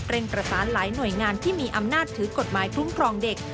ประสานหลายหน่วยงานที่มีอำนาจถือกฎหมายคุ้มครองเด็ก